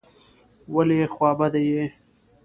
ولي خوابدی یې ؟